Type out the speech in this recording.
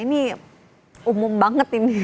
ini umum banget ini